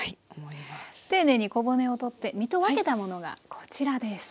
丁寧に小骨を取って身と分けたものがこちらです。